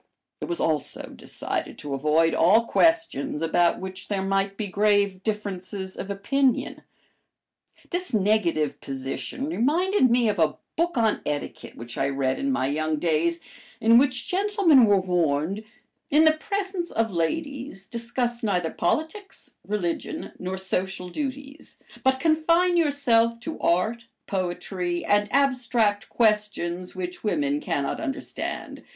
It was also decided to avoid all questions about which there might be grave differences of opinion. This negative position reminded me of a book on etiquette which I read in my young days, in which gentlemen were warned, "In the presence of ladies discuss neither politics, religion, nor social duties, but confine yourself to art, poetry, and abstract questions which women cannot understand.